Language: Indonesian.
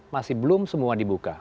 masih belum semua dibuka